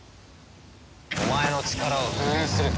お前の力を封印する。